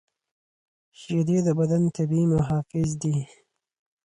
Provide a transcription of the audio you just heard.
شیدې د بدن طبیعي محافظ دي